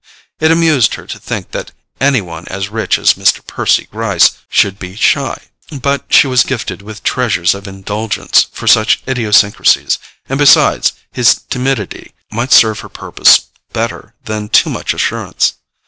It amused her to think that any one as rich as Mr. Percy Gryce should be shy; but she was gifted with treasures of indulgence for such idiosyncrasies, and besides, his timidity might serve her purpose better than too much assurance.